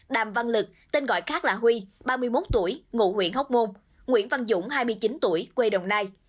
đàm văn lực tên gọi khác là huy ba mươi một tuổi ngụ huyện hóc môn nguyễn văn dũng hai mươi chín tuổi quê đồng nai